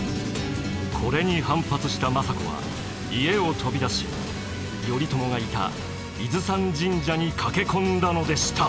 これに反発した政子は家を飛び出し頼朝がいた伊豆山神社に駆け込んだのでした。